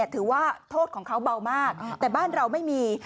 ถือว่าโทษของเขาเบามากแต่บ้านเราไม่มี